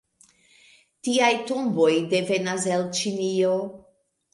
Tiaj tomboj devenas el Ĉinio.